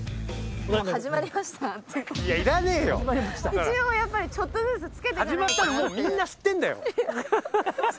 一応やっぱりちょっとずつつけてかないと。